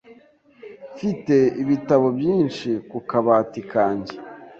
Mfite ibitabo byinshi ku kabati kanjye.